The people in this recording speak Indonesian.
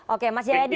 oke mas yaya di